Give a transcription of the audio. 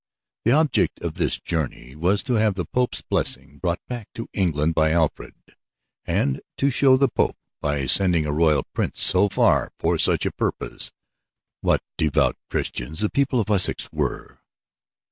The object of this journey was to have the Pope's blessing brought back to England by Alfred, and to show the Pope by sending a Royal Prince so far for such a purpose what devout Christians the people of Wessex were.